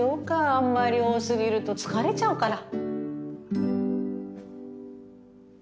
あんまり多過ぎると疲れちゃうから。